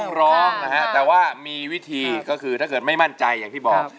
ร้องนะฮะแต่ว่ามีวิธีก็คือถ้าเกิดไม่มั่นใจอย่างที่บอก